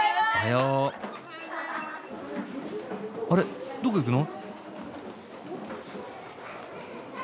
あれどこ行くの？